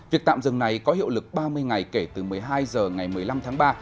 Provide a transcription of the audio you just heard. việc tạm dừng này có hiệu lực ba mươi ngày kể từ một mươi hai h ngày một mươi năm tháng ba